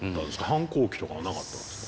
反抗期とかはなかったんですか？